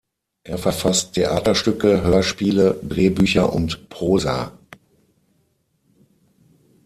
Er verfasst Theaterstücke, Hörspiele, Drehbücher und Prosa.